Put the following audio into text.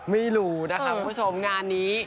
ไม่รู้นะคะคุณผู้ชมงานนี้